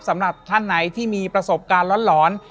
สำหรับท่านไหนที่มีประสบการณ์หลอน